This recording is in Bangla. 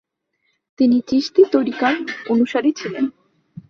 তিনি চিশতি তরিকার অনুসারী ছিলেন।